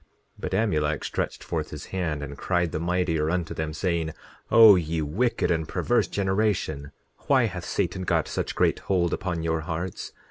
10:25 But Amulek stretched forth his hand, and cried the mightier unto them, saying: O ye wicked and perverse generation, why hath Satan got such great hold upon your hearts?